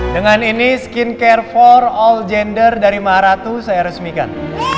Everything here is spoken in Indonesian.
dengan ini skincare empat all gender dari marathon saya resmikan